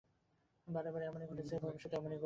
বারে বারে এমনই ঘটেছে, ভবিষ্যতেও এমনই ঘটবে।